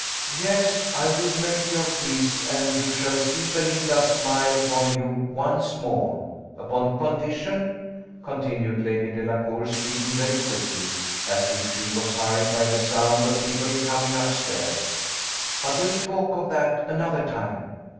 "Yes, I will make your peace, and you shall see Belinda smile upon you once more, upon condition," continued Lady Delacour, speaking very quickly, as if she was hurried by the sound of people coming up stairs "but we'll talk of that another time."